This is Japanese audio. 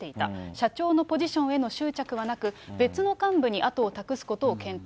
社長のポジションへの執着はなく、別の幹部に後を託すことを検討。